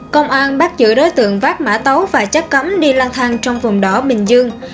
công an bắt giữ đối tượng vác mã tấu và chất cấm đi lang thang trong vùng đỏ bình dương